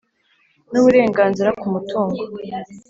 n'uburenganzira ku mutungo.